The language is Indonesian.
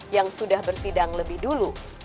yang sudah bersidang lebih dulu